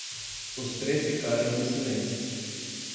Os três ficaram em silêncio.